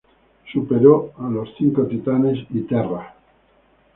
Superó a los cinco titanes y Terra.